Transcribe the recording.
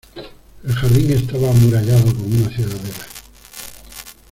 el jardín estaba amurallado como una ciudadela.